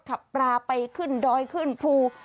ขับปลาไปขึ้นดอยขึ้นภู